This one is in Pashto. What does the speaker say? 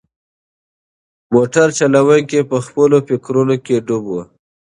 موټر چلونکی په خپلو فکرونو کې ډوب و.